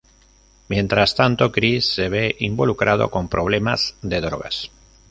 Mientras tanto, Chris se ve involucrado con problemas de drogas.